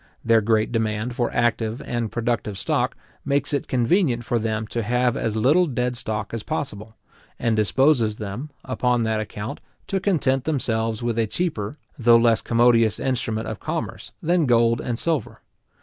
Their great demand for active and productive stock makes it convenient for them to have as little dead stock as possible, and disposes them, upon that account, to content themselves with a cheaper, though less commodious instrument of commerce, than gold and silver.